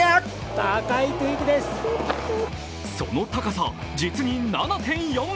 その高さ、実に７．４ｍ。